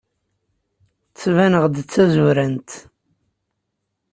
Ttbaneɣ-d d tazurant?